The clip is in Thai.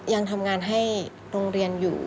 ยังทำงานให้โรงเรียนอยู่